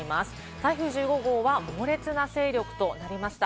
台風１５号は猛烈な勢力となりました。